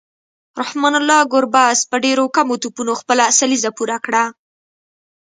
رحمان الله ګربز په ډیرو کمو توپونو خپله سلیزه پوره کړه